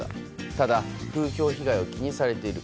ただ風評被害を気にされている。